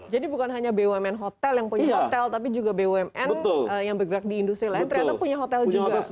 jadi bukan hanya bmn hotel yang punya hotel tapi juga bmn yang bergerak di industri lain ternyata punya hotel juga